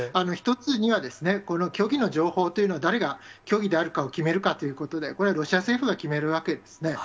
一つには、この虚偽の情報というのは、誰が虚偽であるかを決めるかということで、これはロシア政府が決めるわけですね。